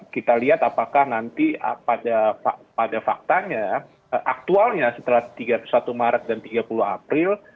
kita lihat apakah nanti pada faktanya aktualnya setelah tiga puluh satu maret dan tiga puluh april